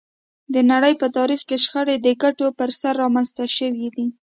د نړۍ په تاریخ کې شخړې د ګټو پر سر رامنځته شوې دي